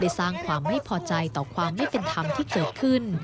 สร้างความไม่พอใจต่อความไม่เป็นธรรมที่เกิดขึ้น